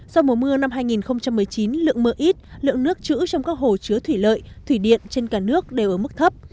do mùa mưa năm hai nghìn một mươi chín lượng mưa ít lượng nước trữ trong các hồ chứa thủy lợi thủy điện trên cả nước đều ở mức thấp